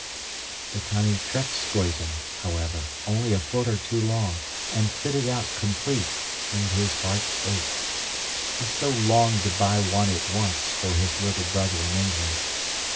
The tiny trekschuiten, however, only a foot or two long, and fitted out, complete, made his heart ache. He so longed to buy one at once for his little brother in England.